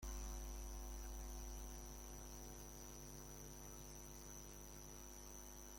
Los eruditos han propuesto teorías sobre las implicaciones de esta deidad.